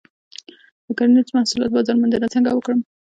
د کرنیزو محصولاتو بازار موندنه څنګه وکړم؟